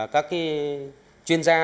các chuyên gia